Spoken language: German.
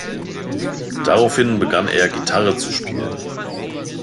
Daraufhin begann er Gitarre zu spielen.